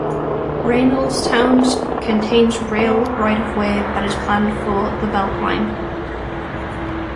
Reynoldstown contains rail right-of-way that is planned for the Beltline.